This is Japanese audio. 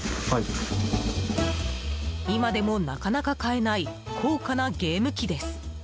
今でもなかなか買えない高価なゲーム機です。